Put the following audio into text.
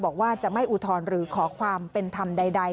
บอกว่าจะไม่อุทธรณ์หรือขอความเป็นธรรมใด